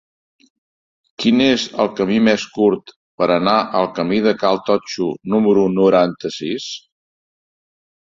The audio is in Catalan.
Quin és el camí més curt per anar al camí de Cal Totxo número noranta-sis?